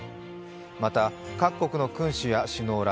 また各国の君主や首脳ら